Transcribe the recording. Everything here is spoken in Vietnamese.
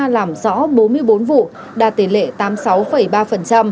làm rõ bốn mươi bốn vụ đạt tỷ lệ tám mươi sáu ba